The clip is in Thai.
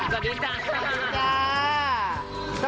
สวัสดีจ้า